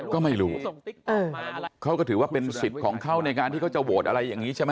ก็ไม่รู้เขาก็ถือว่าเป็นสิทธิ์ของเขาในการที่เขาจะโหวตอะไรอย่างนี้ใช่ไหม